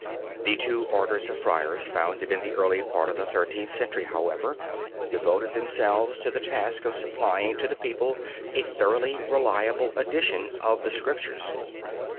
The two orders of friars founded in the early part of the Thirteenth Century, however, devoted themselves to the task of supplying to the people a thoroughly reliable edition of the Scriptures.